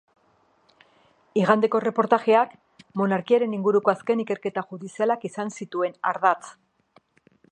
Igandeko erreportajeak monarkiaren inguruko azken ikerketa judizialak izan zituen ardatz.